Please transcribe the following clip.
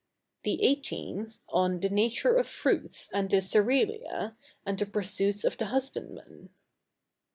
The 18th on the nature of Fruits and the Cerealia, and the pursuits of the Husbandman.